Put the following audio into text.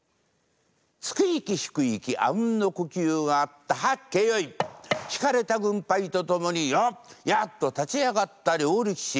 つく息引く息あうんの呼吸があったはっけよい！引かれた軍配とともに「よっ！やっ！」と立ち上がった両力士。